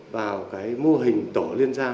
vào cái mô hình tổ liên gia